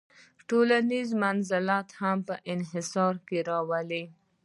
ټولنیز منزلت هم په انحصار کې راولي.